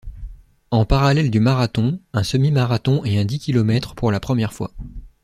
En parallèle du Marathon, un semi-marathon et un dix kilomètres pour la première fois.